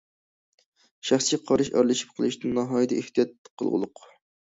شەخس قارىشى ئارىلىشىپ قېلىشتىن ناھايىتى ئېھتىيات قىلغۇلۇق.